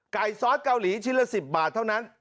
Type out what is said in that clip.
ซอสเกาหลีชิ้นละ๑๐บาทเท่านั้น